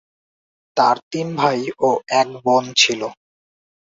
তার তিন ভাই ও এক বোন ছিল।